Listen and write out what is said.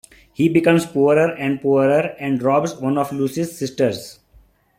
He becomes poorer and poorer and robs one of Luce's sisters.